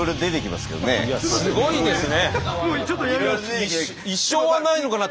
すごいですね。